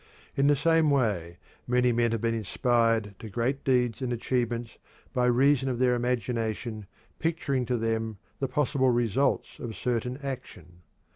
In the same way many men have been inspired to great deeds and achievements by reason of their imagination picturing to them the possible results of certain action.